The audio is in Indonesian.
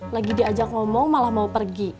lagi diajak ngomong malah mau pergi